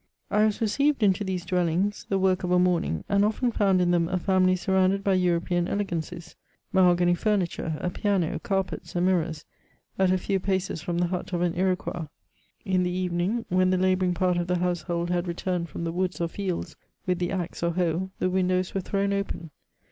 I was received into these dwellings, the work of a morning, and often found in them a family surrounded by European ele gancies ; mahogany furniture, a piano, carpets, and mirrors, at a few paces from the hut of an Iroquois. In the evening, when the labouring part of the household had returned from the woods or fields with the axe or hoe, the windows were thrown open.